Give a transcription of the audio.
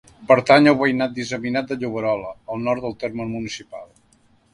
Pertany al veïnat disseminat de Lloberola, al nord del terme municipal.